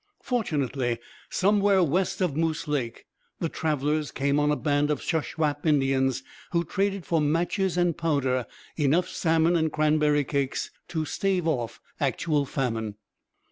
Fortunately, somewhere west of Moose Lake, the travellers came on a band of Shuswap Indians who traded for matches and powder enough salmon and cranberry cakes to stave off actual famine.